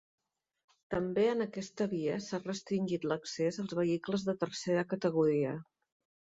També en aquesta via s’ha restringit l’accés als vehicles de tercera categoria.